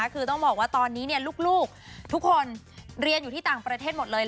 คือต้องบอกว่าตอนนี้ลูกทุกคนเรียนอยู่ที่ต่างประเทศหมดเลย